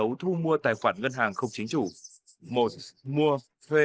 một mua thuê tài khoản ngân hàng của những sinh viên người thu nhập thấp hiếu hiểu biết